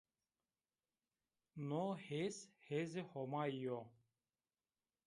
No hêz hêzê Homayî yo